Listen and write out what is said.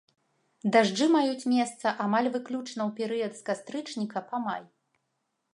Дажджы маюць месца амаль выключна ў перыяд з кастрычніка па май.